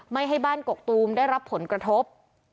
ไม่ให้บ้านกกตูมได้รับผลกระทบ